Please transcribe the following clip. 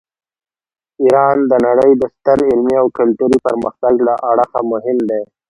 ایران د نړۍ د ستر علمي او کلتوري پرمختګ له اړخه مهم دی.